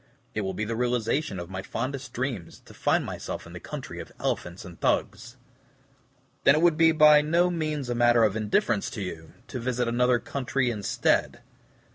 It will be the realization of my fondest dreams, to find myself in the country of elephants and Thugs." "Then it would be by no means a matter of indifference to you, to visit another country instead."